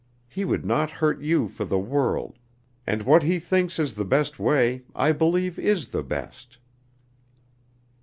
He would not hurt you for the world, and what he thinks is the best way I believe is the best."